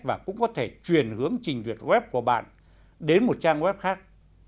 và cũng có thể truyền hướng trình duyệt web của bạn đến một trang web khác